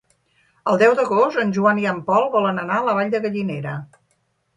El deu d'agost en Joan i en Pol volen anar a la Vall de Gallinera.